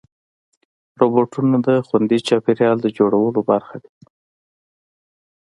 روبوټونه د خوندي چاپېریال د جوړولو برخه دي.